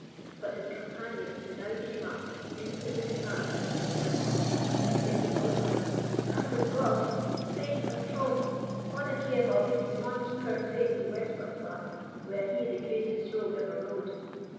But his companions, who now came up, instantly disarmed him of his weapon, exclaiming, all at once, "Hand and glove! faith and troth! Haud a care, Hobbie we maun keep our faith wi' Westburnflat, were he the greatest rogue ever rode."